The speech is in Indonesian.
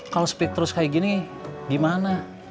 kalau speak terus kayak gini gimana